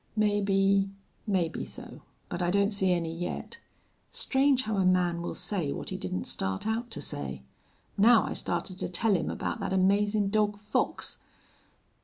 "Maybe maybe so. But I don't see any yet.... Strange how a man will say what he didn't start out to say. Now, I started to tell him about that amazin' dog Fox."